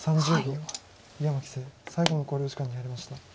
井山棋聖最後の考慮時間に入りました。